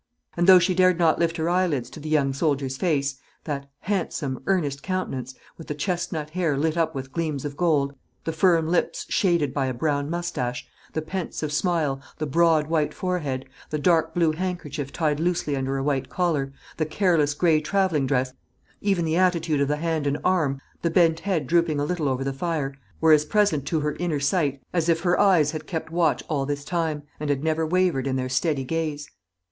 And though she dared not lift her eyelids to the young soldier's face, that handsome, earnest countenance, with the chestnut hair lit up with gleams of gold, the firm lips shaded by a brown moustache, the pensive smile, the broad white forehead, the dark blue handkerchief tied loosely under a white collar, the careless grey travelling dress, even the attitude of the hand and arm, the bent head drooping a little over the fire, were as present to her inner sight as if her eyes had kept watch all this time, and had never wavered in their steady gaze.